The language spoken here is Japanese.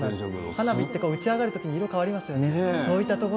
花火打ち上がる時に色が変わりますよね